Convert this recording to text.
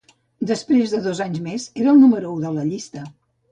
Després de dos anys més, era el número u de la llista.